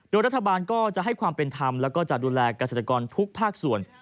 โดยรัฐบาลจะให้ความเป็นธรรมและดูแลกระเศรษฐกรทุกภาคส่วน